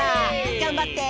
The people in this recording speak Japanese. がんばって！